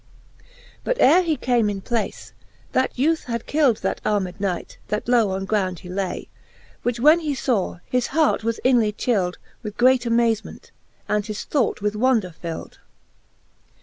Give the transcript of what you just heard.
But ere he came in place, that youth had kild That armed knight, that low on ground he lay ; Which when he iaw, his h^rt was inly child With great amazement, and his thought with wonder fild.. V.